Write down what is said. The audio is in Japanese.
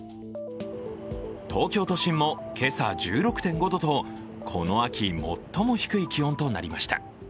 東京都心も今朝１６．５度とこの秋最も低い気温となりました。